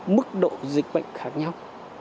mức độ dịch bệnh khác nhau